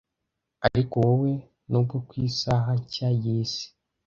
'Ariko wowe, nubwo ku isaha nshya y'isi